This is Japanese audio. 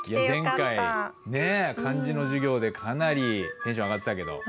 前回漢字の授業でかなりテンション上がってたけど。